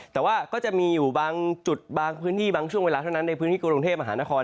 แต่ว่าก็จะมีอยู่บางจุดบางพื้นที่บางช่วงเวลาเท่านั้นในพื้นที่กรุงเทพมหานคร